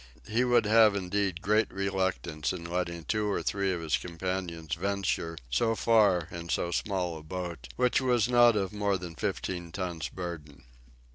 He would have indeed great reluctance in letting two or three of his companions venture so far in so small a boat, which was not of more than fifteen tons' burden.